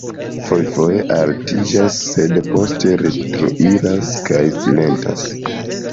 fojfoje altiĝas, sed poste retroiras kaj silentas.